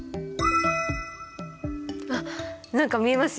あっ何か見えますよ！